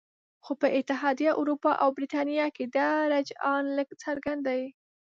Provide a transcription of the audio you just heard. خو په اتحادیه اروپا او بریتانیا کې دا رجحان لږ څرګند دی